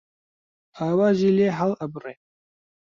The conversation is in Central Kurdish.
ئاوازی لێ هەڵ ئەبڕێ